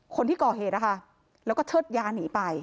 คนที่ก่อเหตุนะคะแล้วก็เชิดยาหนีไป